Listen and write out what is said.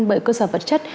bởi cơ sở vật chất